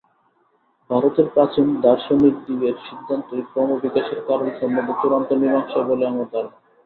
ভারতের প্রাচীন দার্শনিকদিগের সিদ্ধান্তই ক্রমবিকাশের কারণ সম্বন্ধে চূড়ান্ত মীমাংসা বলে আমার ধারণা।